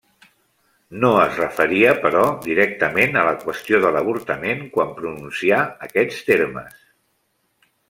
No es referia, però, directament a la qüestió de l'avortament quan pronuncià aquests termes.